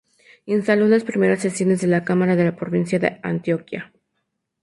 Instaló las primeras sesiones de la "Cámara de la Provincia de Antioquia".